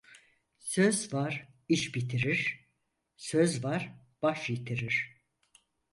Söz var iş bitirir, söz var baş yitirir.